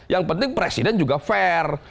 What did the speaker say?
yang penting presiden juga fair